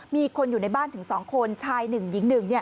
มีคนอยู่ในบ้านถึง๒คนชาย๑หญิง๑